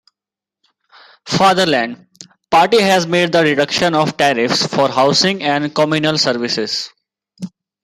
"Fatherland" party has made the reduction of tariffs for housing and communal services.